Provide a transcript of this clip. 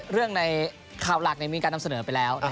เรื่องในข่าวหลักในวิวิธีการนำเสนอไปแล้ว